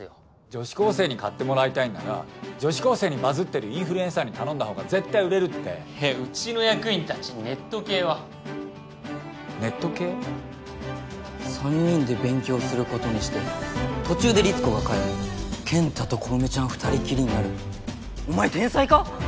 女子高生に買ってもらいたいなら女子高生にバズってるインフルエンサーに頼んだ方が絶対売れるってうちの役員達にネット系はネット系３人で勉強することにして途中で律子が帰る健太と小梅ちゃんは二人きりになるお前天才か？